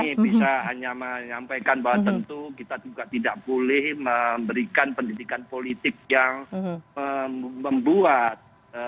kami bisa hanya menyampaikan bahwa tentu kita juga tidak boleh memberikan pendidikan politik yang membuat